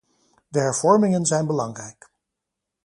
De hervormingen zijn belangrijk.